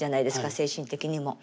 精神的にも。